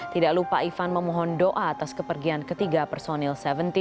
tidak lupa ivan memohon doa atas kepergian ketiga personil tujuh belas